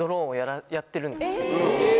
え！